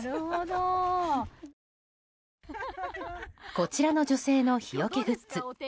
こちらの女性の日よけグッズ。